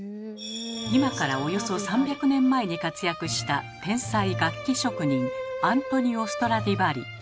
今からおよそ３００年前に活躍した天才楽器職人アントニオ・ストラディヴァリ。